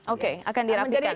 oke akan dirapikan ya